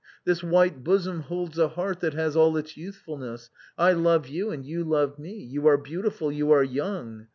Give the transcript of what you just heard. This white bosom holds a heart that has all its youthf ulness ; I love you, and you love me! You are beautiful, you are young.